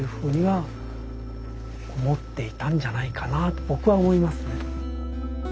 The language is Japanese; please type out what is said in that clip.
と僕は思いますね。